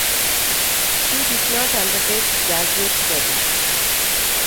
He did not undertake graduate study.